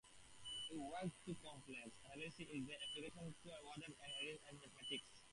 He worked on complex analysis and its applications to other areas in mathematics.